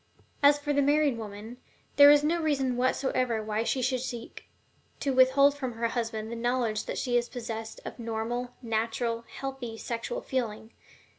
As for the married woman, there is no reason whatsoever why she should seek to withhold from her husband the knowledge that she is possessed of normal, natural, healthy sexual feeling.